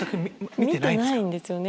見てないんですよね。